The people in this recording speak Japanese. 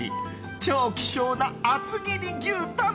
超希少な厚切り牛タン。